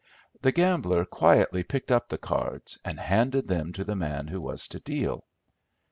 The gambler quietly picked up the cards, and handed them to the man who was to deal.